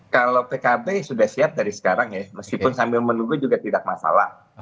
kalau pkb sudah siap dari sekarang ya meskipun sambil menunggu juga tidak masalah